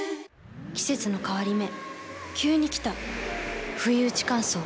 季節の変わり目急に来たふいうち乾燥。